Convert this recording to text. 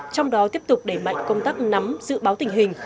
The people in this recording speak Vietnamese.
trong đó tiếp tục đẩy mạnh công tác nắm dự báo tình hình